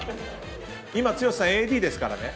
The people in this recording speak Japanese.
今剛さんＡＤですからね。